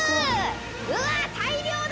うわ大量だ！